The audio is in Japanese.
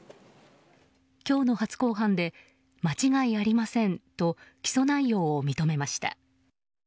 今日の初公判で間違いありませんと起訴内容を認めました。